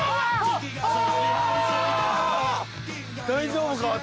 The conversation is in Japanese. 大丈夫か？